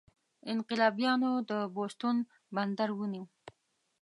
انقلابیانو د بوستون بندر ونیو.